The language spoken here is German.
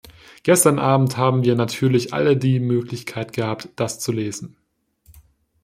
Gestern abend haben wir natürlich alle die Möglichkeit gehabt, das zu lesen.